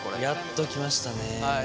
やっときましたね。